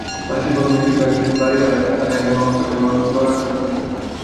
মাসের প্রথম দিকের কয়েকটা দিন বাড়িভাড়ার টাকা আদায়ের জন্যে অল্প যা নড়াচড় করেন।